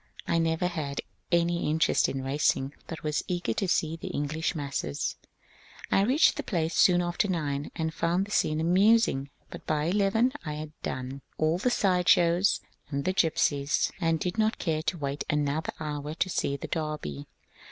I never had any interest in racing, but was eager to see the English masses. I reached the place soon after nine, and found the scene amusing ; but by eleven I had ^ done " all the side shows and gypsies, etc., and did not care to wait another hour to see the Derby.